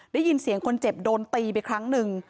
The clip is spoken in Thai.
ได้ยินเสียงคนเจ็บโดนตีไปครั้งหนึ่ง